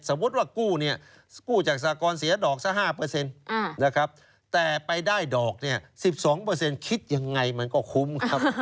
ว่ากู้เนี่ยกู้จากสากรเสียดอกซะ๕นะครับแต่ไปได้ดอกเนี่ย๑๒คิดยังไงมันก็คุ้มครับ